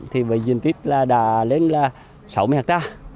thì diện tích đã lên sáu mươi hectare